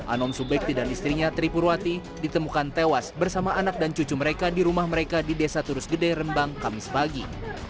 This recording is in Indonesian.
anom subekti dan istrinya tripurwati ditemukan tewas bersama anak dan cucu mereka di rumah mereka di desa turus gede rembang kamis pagi